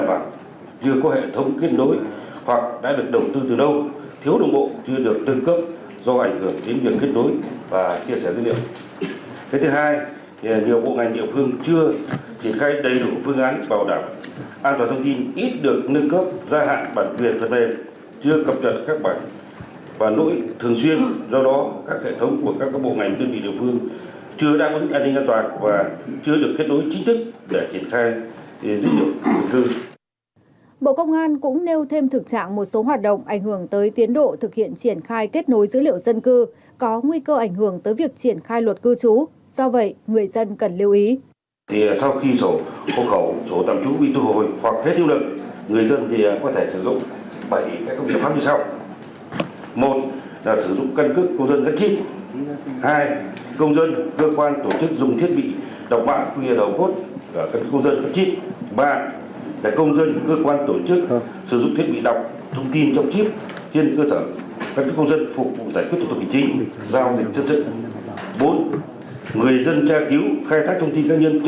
bộ công an cũng nêu thêm thực trạng một số hoạt động ảnh hưởng tới tiến độ thực hiện triển khai kết nối dữ liệu dân cư có nguyên liệu kết nối với dân cư có nguyên liệu kết nối với dân cư có nguyên liệu kết nối với dân cư có nguyên liệu kết nối với dân cư có nguyên liệu kết nối với dân cư có nguyên liệu kết nối với dân cư có nguyên liệu kết nối với dân cư có nguyên liệu kết nối với dân cư có nguyên liệu kết nối với dân cư có nguyên liệu kết nối với dân cư có nguyên liệu kết nối với dân c